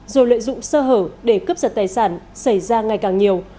rồi lợi dụng sơ hở để cướp giật tài sản xảy ra ngày càng nhiều